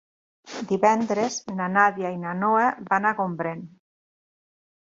Divendres na Nàdia i na Noa van a Gombrèn.